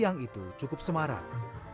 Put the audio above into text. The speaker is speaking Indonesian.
siang itu cukup semarang